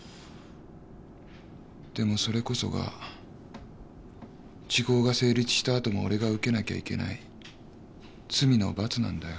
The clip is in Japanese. でもそれこそが時効が成立した後も俺が受けなきゃいけない罪の罰なんだよ。